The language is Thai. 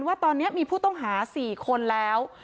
ว่าตอนนี้มีผู้ต้องหา๔คนแล้ว